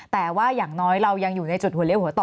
แต่ว่าอย่างน้อยเรายังอยู่ในจุดหัวเลี้ยหัวต่อ